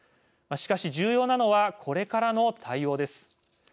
しかし、重要なのはこれからの対応です。